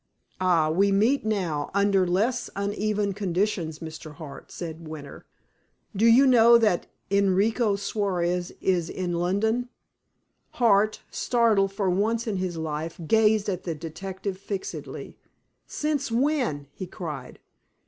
"Ah, we meet now under less uneven conditions, Mr. Hart," said Winter. "Do you know that Enrico Suarez is in London?" Hart, startled for once in his life, gazed at the detective fixedly. "Since when?" he cried.